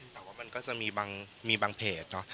แต่ว่ามันก็จะมีบางเพจเนอะ